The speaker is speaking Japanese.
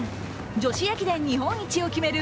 女子駅伝日本一を決める